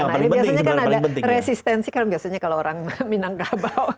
paling penting nggak sebenarnya iya biasanya kan ada resistensi kan biasanya kalau orang minanggabau